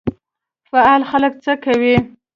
فعال خلک څه کوي؟